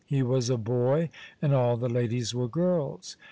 He was a boy, and all the ladies were girls.